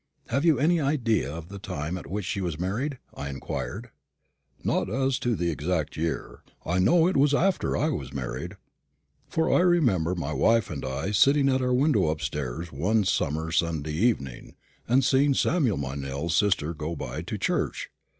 "Have you any idea of the time at which she was married?" I inquired. "Not as to the exact year. I know it was after I was married; for I remember my wife and I sitting at our window upstairs one summer Sunday evening, and seeing Samuel Meynell's sister go by to church.